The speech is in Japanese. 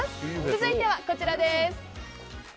続いてはこちらです。